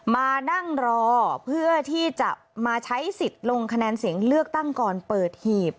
มานั่งรอเพื่อที่จะมาใช้สิทธิ์ลงคะแนนเสียงเลือกตั้งก่อนเปิดหีบ